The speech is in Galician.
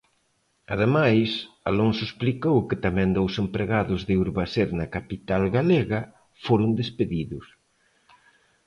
Ademais, Alonso explicou que tamén dous empregados de Urbaser na capital galega "foron despedidos".